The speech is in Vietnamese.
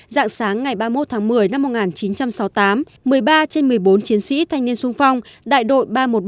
dạng sáng ngày ba mươi một tháng một mươi năm một nghìn chín trăm sáu mươi tám một mươi ba trên một mươi bốn chiến sĩ thanh niên sung phong đại đội ba trăm một mươi ba